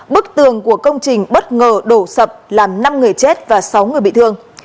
bức tường của công trình bất ngờ đổ sập làm năm người chết và sáu người bị thương